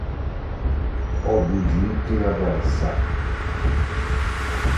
Odigitria dal Sac.